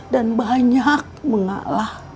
dan banyak mengalah